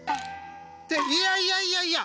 っていやいやいやいや！